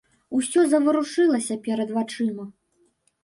Усё заварушылася перад вачыма.